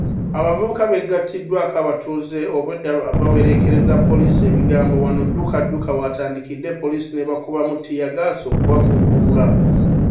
Abavubuka beegattiddwako abatuuze obwedda abawerekeza poliisi ebigambo wano ddukadduka w'atandikidde poliisi nebakubamu ttiyaggaasi okubagumbulula.